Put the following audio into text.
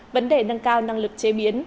vấn đề nâng cao năng lực chế biến